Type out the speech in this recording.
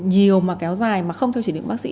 nhiều mà kéo dài mà không theo chỉ định bác sĩ